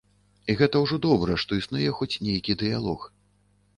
І гэта ўжо добра, што існуе хоць нейкі дыялог.